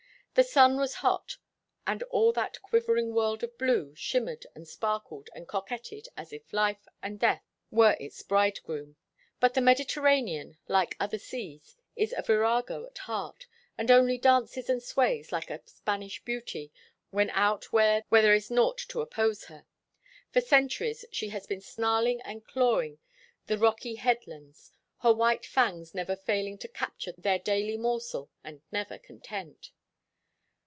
The sun was hot, and all that quivering world of blue shimmered and sparkled and coquetted as if life and not death were its bridegroom. But the Mediterranean, like other seas, is a virago at heart and only dances and sways like a Spanish beauty when out where there is naught to oppose her; for centuries she has been snarling and clawing the rocky head lands, her white fangs never failing to capture their daily morsel, and never content.